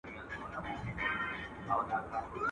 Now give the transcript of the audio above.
يوسف عليه السلام په کم سن کي ستري ستونزي وزغملې.